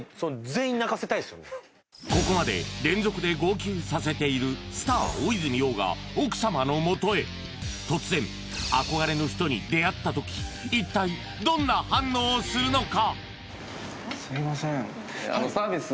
ここまで連続で号泣させている突然憧れの人に出会った時一体どんな反応をするのか？